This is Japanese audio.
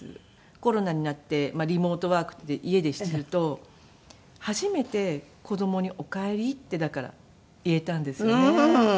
コロナになってリモートワークで家ですると初めて子供に「おかえり」ってだから言えたんですよね。